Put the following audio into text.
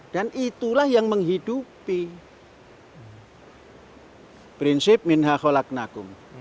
dan itulah yang menghidupi prinsip minha kholaknagum